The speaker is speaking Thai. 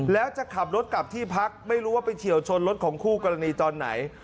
แล้วจะขับรถกลับที่พักไม่รู้ว่าไปเฉียวชนรถของคู่กรณีตอนไหน